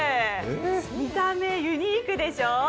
見た目ユニークでしょ。